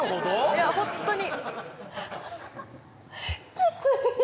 いやホントに！